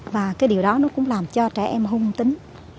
và cái điều đó nó cũng làm cho trẻ em hôn tính